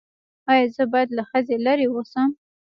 ایا زه باید له ښځې لرې اوسم؟